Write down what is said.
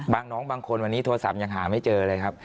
น้องบางคนวันนี้โทรศัพท์ยังหาไม่เจอเลยครับ